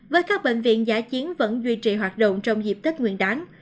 với các bệnh viện giá chiến vẫn duy trì hoạt động trong dịp tích nguyện đáng